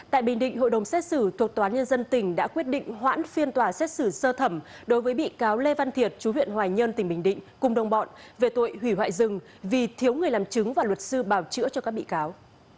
tại bình định hội đồng xét xử thuộc tòa án nhân dân tỉnh đã quyết định hoãn phiên tòa xét xử sơ thẩm đối với bị cáo lê văn thiệt chú huyện hoài nhơn tỉnh bình định cùng đồng bọn về tội hủy hoại rừng vì thiếu người làm chứng và luật sư bảo chữa cho các bị cáo